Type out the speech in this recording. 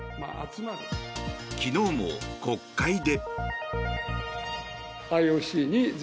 昨日も国会で。